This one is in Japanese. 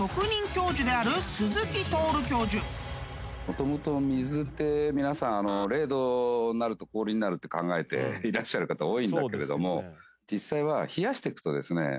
もともと水って皆さん０℃になると氷になるって考えていらっしゃる方多いんだけれども実際は冷やしてくとですね